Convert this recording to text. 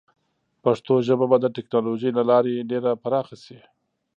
پښتو ژبه به د ټیکنالوجۍ له لارې ډېره پراخه شي.